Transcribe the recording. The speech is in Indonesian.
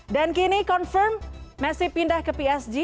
dan kini confirm messi pindah ke psg